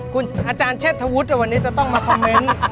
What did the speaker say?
คุณอาจารย์เชษฐวุฒิวันนี้จะต้องมาคอมเมนต์